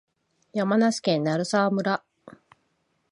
山梨県鳴沢村